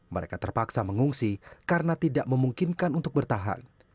mereka terpaksa mengungsi karena tidak memungkinkan untuk bertahan